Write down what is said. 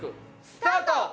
スタート！